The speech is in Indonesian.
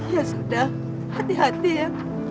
ya sudah hati hati ya